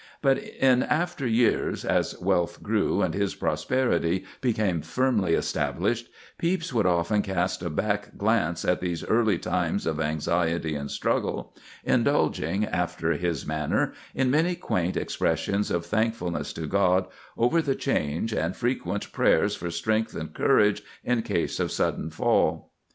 But in after years, as wealth grew, and his prosperity became firmly established, Pepys would often cast a back glance at these early times of anxiety and struggle, indulging, after his manner, in many quaint expressions of thankfulness to God over the change, and frequent prayers for strength and courage in case of sudden fall.